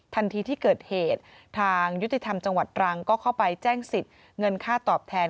ทันทีที่เกิดเหตุทางยุติธรรมจังหวัดตรังก็เข้าไปแจ้งสิทธิ์เงินค่าตอบแทน